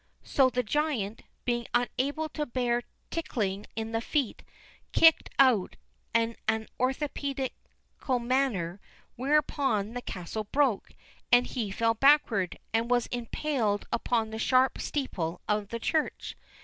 So the giant, being unable to bear tickling in the feet, kicked out in an orthopædal manner; whereupon the castle broke, and he fell backward, and was impaled upon the sharp steeple of the church.